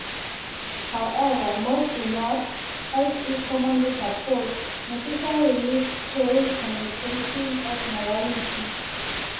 However, mores do not, as is commonly supposed, necessarily carry connotations of morality.